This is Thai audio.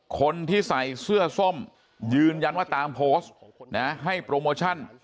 คนที่ใส่เสื้อส้มยืนยันว่าตามโพสต์นะให้โปรโมชั่น